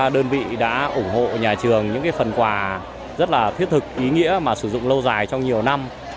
đơn vị đã ủng hộ nhà trường những phần quà rất là thiết thực ý nghĩa mà sử dụng lâu dài trong nhiều năm